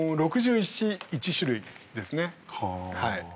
６１種類ですね。